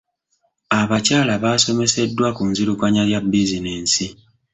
Abakyala baasomeseddwa ku nzirukanya ya bizinensi.